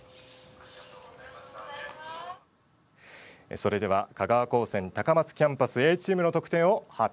それでは香川高専高松キャンパスＡチームの得点を発表しましょう。